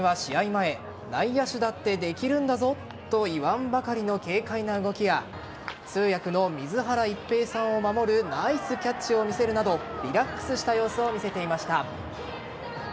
前内野手だってできるんだぞと言わんばかりの軽快な動きや通訳の水原一平さんを守るナイスキャッチを見せるなどリラックスした様子を見せていました。